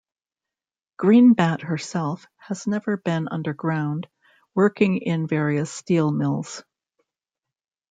Greenbat herself has never been underground, working in various steel mills.